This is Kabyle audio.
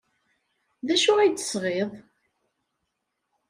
D acu ay d-tesɣid?